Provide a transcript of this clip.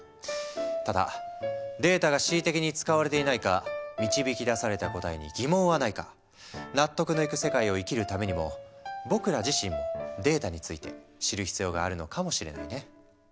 ただデータが恣意的に使われていないか導き出された答えに疑問はないか納得のいく世界を生きるためにも僕ら自身もデータについて知る必要があるのかもしれないね。